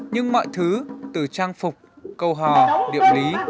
nhưng mọi thứ từ trang phục câu hò địa lý